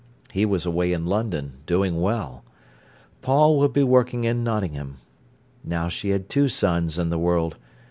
He was away in London, doing well. Paul would be working in Nottingham. Now she had two sons in the world.